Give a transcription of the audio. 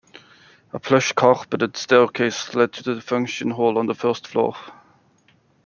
A plush-carpeted staircase led to the function hall on the first floor.